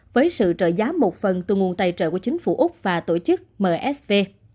với sự trợ giá một phần từ nguồn tài trợ của chính phủ úc và tổ chức msv